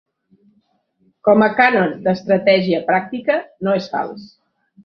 Com a cànon d'estratègia pràctica, no és fals.